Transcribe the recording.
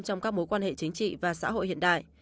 trong các mối quan hệ chính trị và xã hội hiện đại